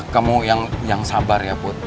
kamu yang sabar ya put